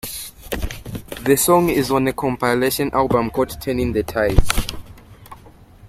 The song is on a compilation album called "Turning the Tide".